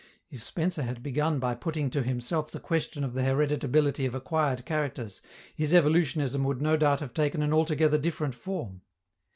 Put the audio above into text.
If Spencer had begun by putting to himself the question of the hereditability of acquired characters, his evolutionism would no doubt have taken an altogether different form.